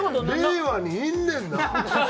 令和にいんねんな。